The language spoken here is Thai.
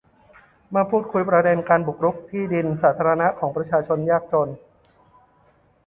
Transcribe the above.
เมื่อพูดคุยประเด็นการบุกรุกที่ดินสาธารณะของประชาชนยากจน